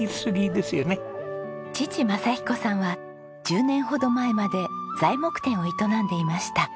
父正彦さんは１０年ほど前まで材木店を営んでいました。